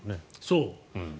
そう。